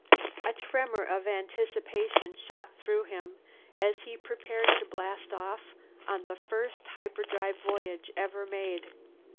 A tremor of anticipation shot through him as he prepared to blast off on the first hyperdrive voyage ever made.